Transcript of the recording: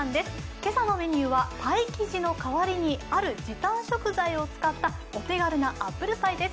今朝のメニューはパイ生地の代わりにある時短食材を使ったお手軽なアップルパイです。